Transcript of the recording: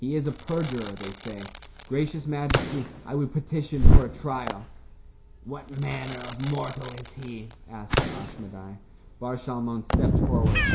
He is a perjurer, they say. Gracious majesty, I would petition for a trial." "What manner of mortal is he?" asked Ashmedai. Bar Shalmon stepped forward.